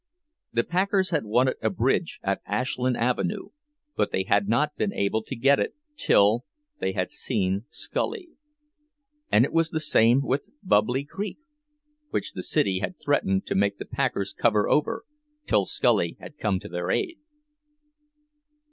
The packers had wanted a bridge at Ashland Avenue, but they had not been able to get it till they had seen Scully; and it was the same with "Bubbly Creek," which the city had threatened to make the packers cover over, till Scully had come to their aid.